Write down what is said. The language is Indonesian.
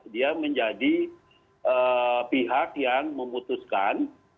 dia menjadi pihak yang memutuskan